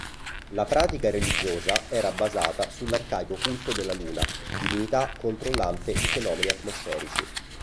La pratica religiosa era basata sull'arcaico culto della luna, divinità controllante i fenomeni atmosferici.